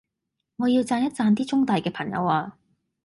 我要讚一讚啲中大嘅朋友呀